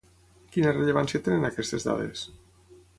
Quina rellevància tenen aquestes dades?